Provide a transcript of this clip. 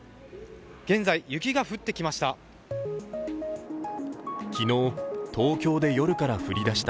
現在、雪が降ってきました。